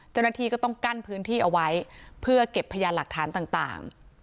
เจ้าหน้าที่ก็ต้องกั้นพื้นที่เอาไว้เพื่อเก็บพยานหลักฐานต่าง